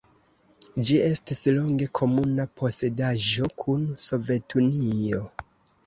Ĝi estis longe komuna posedaĵo kun Sovetunio.